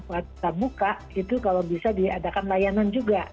buka itu kalau bisa diadakan layanan juga